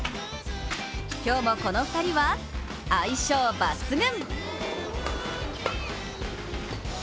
今日も、この２人は、相性抜群。